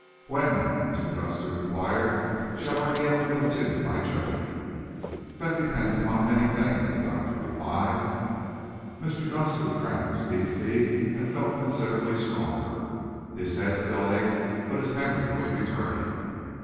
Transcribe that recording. "When," Mr. Dunster enquired, "shall I be able to continue my journey?" "That depends upon many things," the doctor replied. Mr. Dunster drank his beef tea and felt considerably stronger. His head still ached, but his memory was returning.